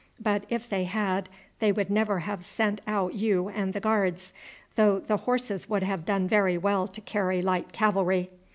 But if they had they would never have sent out you and the Guards; though the horses would have done very well to carry light cavalry.